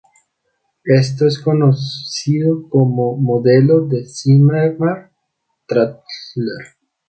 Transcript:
Esto es conocido como modelo de Zimmerman-Traxler.